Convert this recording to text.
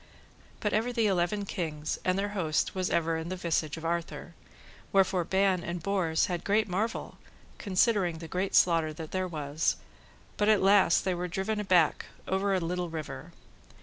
But ever the eleven kings and their host was ever in the visage of Arthur. Wherefore Ban and Bors had great marvel, considering the great slaughter that there was, but at the last they were driven aback over a little river.